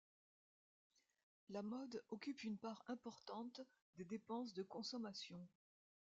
La mode occupe une part importante des dépenses de consommation.